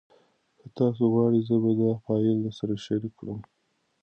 که تاسي وغواړئ زه به دا فایل درسره شریک کړم.